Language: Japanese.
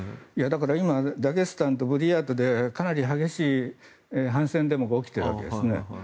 だから今ダゲスタンとブリヤートでかなり激しい反戦デモが起きているわけですね。